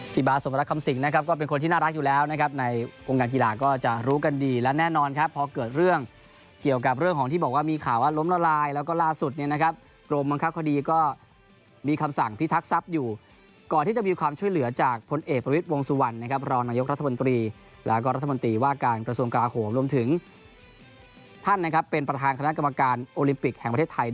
ที่บาสมรรถคำสิ่งนะครับก็เป็นคนที่น่ารักอยู่แล้วนะครับในองค์การกีฬาก็จะรู้กันดีและแน่นอนครับพอเกิดเรื่องเกี่ยวกับเรื่องของที่บอกว่ามีข่าวล้มละลายแล้วก็ล่าสุดเนี่ยนะครับกรมบังคับคดีก็มีคำสั่งพิทักษ์ทรัพย์อยู่ก่อนที่จะมีความช่วยเหลือจากผลเอกประวิทย์วงสุวรรณนะครับรองนางยกรัฐมนต